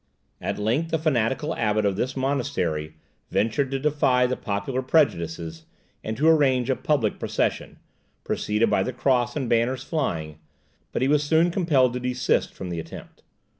At length a fanatical abbot of this monastery ventured to defy the popular prejudices, and to arrange a public procession, preceded by the cross and banners flying; but he was soon compelled to desist from the attempt.